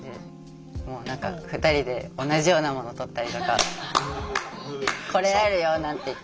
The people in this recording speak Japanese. もう何か２人で同じようなもの取ったりとか「これあるよ」なんて言って。